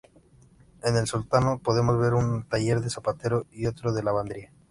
En el sótano podemos ver un taller de zapatero y otro de lavandería.